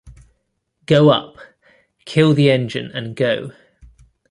Go up... kill the engine and go.